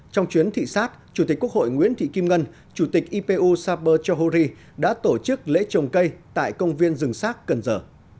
trong chuyến thị xác chủ tịch quốc hội nguyễn thị kim ngân chủ tịch ipu saber cho hori đã tổ chức lễ trồng cây tại công viên rừng sát cần giờ